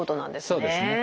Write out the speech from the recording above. そうですね。